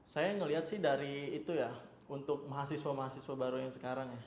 saya melihat sih dari itu ya untuk mahasiswa mahasiswa baru yang sekarang ya